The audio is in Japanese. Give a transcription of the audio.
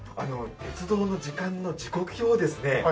鉄道の時間の時刻表をですね